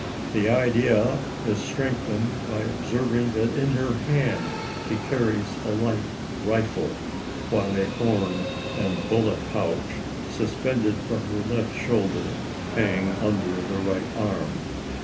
The idea is strengthened by observing that in her hand she carries a light rifle; while a horn and bullet pouch, suspended from her left shoulder, hang under the right arm.